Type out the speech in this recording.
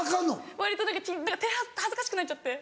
割と恥ずかしくなっちゃって。